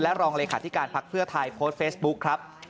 รองเลขาธิการพักเพื่อไทยโพสต์เฟซบุ๊คครับ